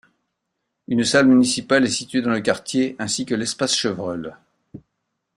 Une salle municipale est situé dans le quartier ainsi que l'Espace Chevreul.